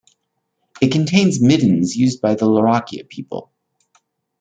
It contains middens used by the Larrakia people.